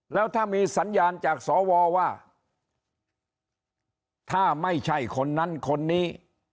แล้วถ้ามีสัญญาณจากสวว่าถ้าไม่ใช่คนนั้นคนนี้